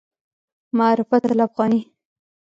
معرفت الافغاني